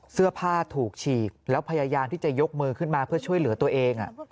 เสื้อผ้าถูกฉีกแล้วพยายามที่จะยกมือขึ้นมาเพื่อช่วยเหลือตัวเอง